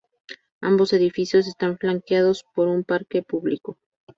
Ambos edificios están flanqueados por un parque público.